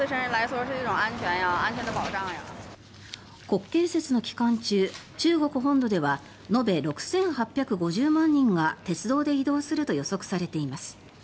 国慶節の期間中、中国本土では延べ６８５０万人が鉄道で移動すると予測されています。